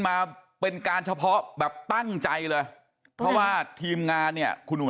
มาเป็นการเฉพาะแบบตั้งใจเลยเพราะว่าทีมงานเนี่ยคุณหนุ่ม